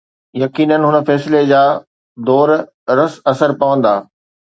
يقينن، هن فيصلي جا دور رس اثر پوندا.